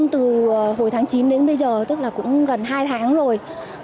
từ hồi tháng chín đến bây giờ tức là cũng gần hai tháng rồi